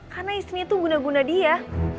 karena istrinya tuh guna guna dia